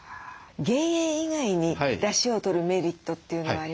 減塩以外にだしをとるメリットというのはありますか？